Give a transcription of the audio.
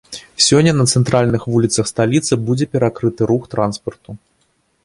Сёння на цэнтральных вуліцах сталіцы будзе перакрыты рух транспарту.